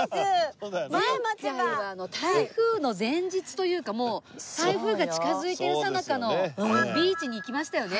前回は台風の前日というかもう台風が近づいてるさなかのビーチに行きましたよね